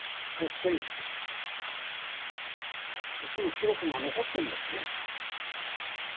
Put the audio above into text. その記録が残ってんだよね。